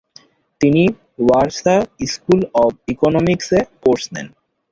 তিনি Warsaw school of economics এ course নেন।